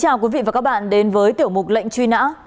cảm ơn quý vị và các bạn đến với tiểu mục lệnh truy nã